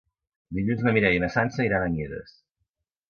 Dilluns na Mireia i na Sança iran a Mieres.